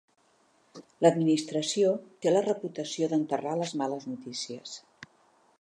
L'administració té la reputació d'enterrar les males notícies.